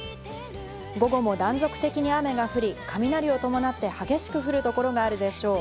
午後も断続的に雨が降り、雷を伴って激しく降る所があるでしょう。